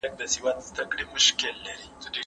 انسان د مقابل لوري ارزونه کوي.